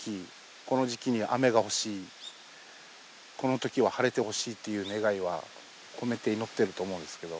この時期に雨が欲しいこのときは晴れてほしいっていう願いは込めて祈ってると思うんですけど。